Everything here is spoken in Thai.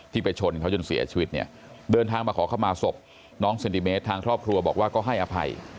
ไปชนเขาจนเสียชีวิตเนี่ยเดินทางมาขอเข้ามาศพน้องเซนติเมตรทางครอบครัวบอกว่าก็ให้อภัย